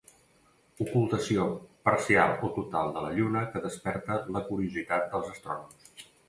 Ocultació parcial o total de la lluna que desperta la curiositat dels astrònoms.